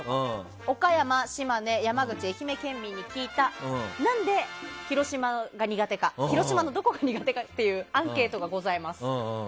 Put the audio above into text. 岡山・島根・山口・愛媛県民に聞いた広島のどこが苦手かというアンケートがございます。